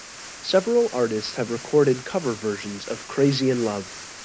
Several artists have recorded cover versions of "Crazy in Love".